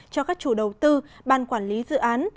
cho các chủ đầu tư ban quản lý dự án